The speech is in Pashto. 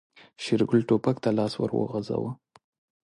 شېرګل ټوپک ته لاس ور وغځاوه.